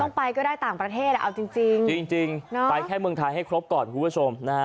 ไปก็ได้ต่างประเทศเอาจริงจริงไปแค่เมืองไทยให้ครบก่อนคุณผู้ชมนะฮะ